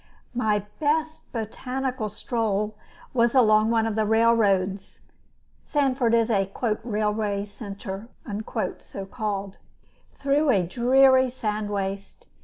My best botanical stroll was along one of the railroads (Sanford is a "railway centre," so called), through a dreary sand waste.